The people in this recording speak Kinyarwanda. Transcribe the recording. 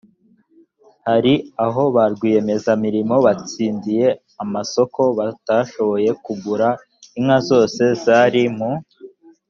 hari aho ba rwiyemezamirimo batsindiye amasoko batashoboye kugura inka zose zari mu